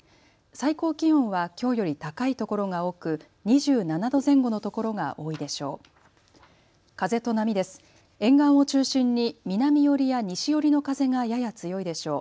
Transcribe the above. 最高気温はきょうより高いところが多く２７度前後のところが多いでしょう。